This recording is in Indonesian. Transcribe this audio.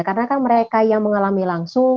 karena kan mereka yang mengalami langsung